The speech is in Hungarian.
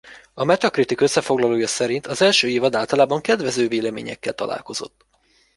A Metacritic összefoglalója szerint az első évad általában kedvező véleményekkel találkozott.